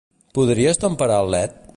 Podries temperar el led?